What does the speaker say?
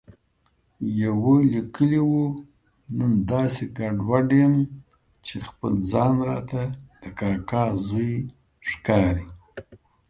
يوه ليکلي و، نن داسې ګډوډ یم چې خپل ځان راته د کاکا زوی